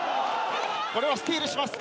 これはスティールします。